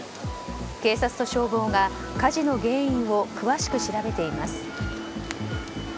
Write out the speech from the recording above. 警察と消防が火事の原因を詳しく調べています。